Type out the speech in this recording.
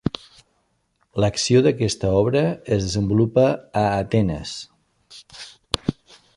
L'acció d'aquesta obra es desenvolupa a Atenes.